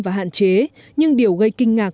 và hạn chế nhưng điều gây kinh ngạc